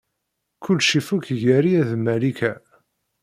Kullec ifuk gar-i ed Marika.